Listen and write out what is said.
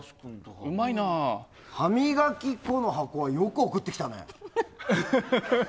歯磨き粉の箱はそれで、よく送ってきたね